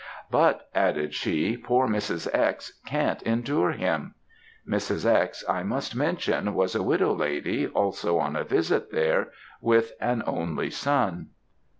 But,' added she, 'poor Mrs. X. can't endure him.' Mrs. X., I must mention, was a widow lady, also on a visit there, with an only son.